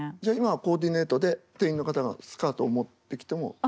じゃあ今はコーディネートで店員の方がスカートを持ってきても。